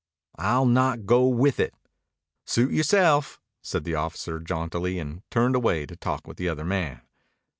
"I'll not go with it." "Suit yourself," said the officer jauntily, and turned away to talk with the other man.